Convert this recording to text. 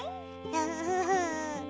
ウフフフ！